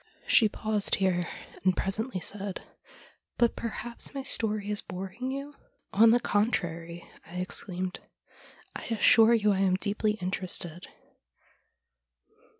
She paused here, and presently said :' But perhaps my story is boring you ?'' On the contrary,' I exclaimed, ' I assure you I am deeply interested.'